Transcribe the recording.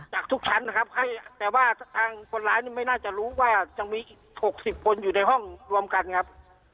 จากทุกชั้นนะครับให้แต่ว่าทางคนร้ายนี่ไม่น่าจะรู้ว่ายังมีอีก๖๐คนอยู่ในห้องรวมกันครับ